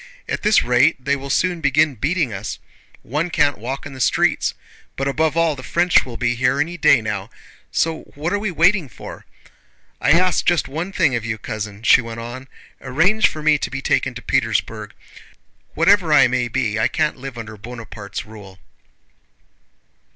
At this rate they will soon begin beating us. One can't walk in the streets. But, above all, the French will be here any day now, so what are we waiting for? I ask just one thing of you, cousin," she went on, "arrange for me to be taken to Petersburg. Whatever I may be, I can't live under Bonaparte's rule."